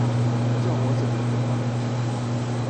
叫我怎麼活啊